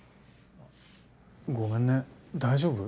ごめんね大丈夫？